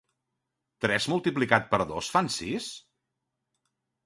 Tres multiplicat per dos fan sis?